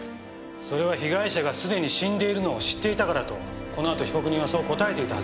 それは被害者がすでに死んでいるのを知っていたからとこの後被告人はそう答えていたはずですが？